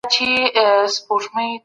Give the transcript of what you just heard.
مثبت فکر راتلونکی نه ځنډوي.